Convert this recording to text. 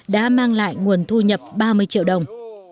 đã mang lại nguồn thu nhập ba mươi triệu đồng